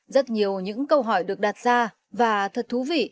rất nhiều những câu hỏi được đặt ra và thật thú vị